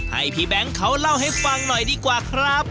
ให้พี่แบงค์เขาเล่าให้ฟังหน่อยดีกว่าครับ